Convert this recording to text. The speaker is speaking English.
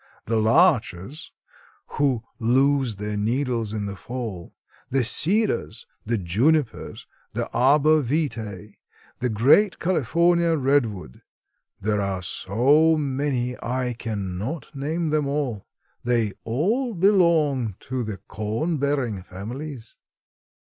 The larches, who lose their needles in the fall; the cedars, the junipers, the arbor vitæ, the great California redwood—there are so many I can not name them all! They all belong to the cone bearing families."